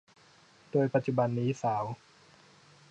โดยปัจจุบันนี้สาว